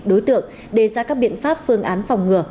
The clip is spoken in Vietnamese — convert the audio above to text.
đối tượng đề ra các biện pháp phương án phòng ngừa